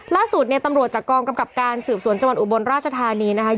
ล่าสุดเนี่ยตำรวจจากกองกำกับการสืบสวนจังหวัดอุบลราชธานีนะคะ